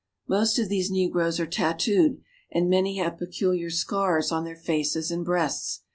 Most of these negroes are tattooed, and many have peculiar scars on their faces and breasts.